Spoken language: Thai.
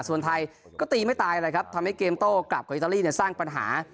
ส่วนไทยก็ตีไม่ตายเลยครับทำให้เกมโต้กลับกับอิตาลีเนี่ยสร้างปัญหา